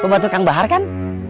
pembantu kang bahar kan